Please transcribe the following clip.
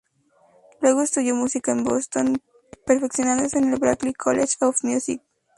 Luego estudió música en Boston, perfeccionándose en el Berklee College of Music.